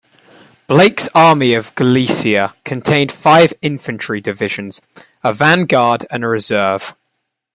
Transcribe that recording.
Blake's Army of Galicia contained five infantry divisions, a vanguard and a reserve.